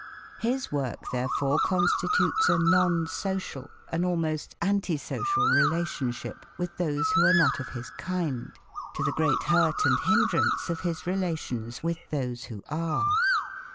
His work, therefore, constitutes a non social, an almost anti social relationship with those who are not of his kind, to the great hurt and hindrance of his relations with those who are.